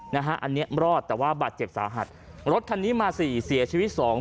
นะฮะอันเนี้ยรอดแต่ว่าบาดเจ็บสาหัสรถคันนี้มาสี่เสียชีวิตสอง